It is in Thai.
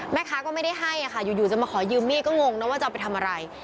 แม่ค้าก็ไม่ได้ให้ค่ะอยู่จะมาขอยืมมีดก็งงนะว่าจะเอาไปทำอะไร